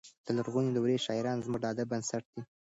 د لرغونې دورې شاعران زموږ د ادب بنسټ دی.